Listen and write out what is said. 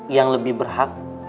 yang lebih berhak